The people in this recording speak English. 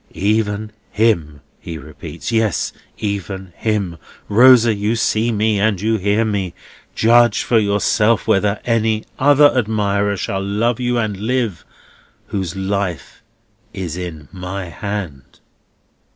"Even him," he repeats. "Yes, even him! Rosa, you see me and you hear me. Judge for yourself whether any other admirer shall love you and live, whose life is in my hand."